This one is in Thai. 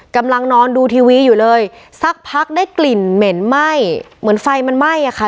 กำลังนอนดูทีวีอยู่เลยสักพักได้กลิ่นเหม็นไหม้เหมือนไฟมันไหม้อะค่ะ